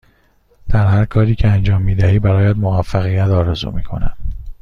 در هرکاری که انجام می دهی برایت موفقیت آرزو می کنم.